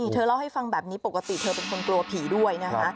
เธอเล่าให้ฟังแบบนี้ปกติเธอเป็นคนกลัวผีด้วยนะคะ